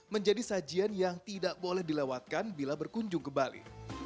menjadi sajian yang tidak boleh dilewatkan bila berkunjung ke bali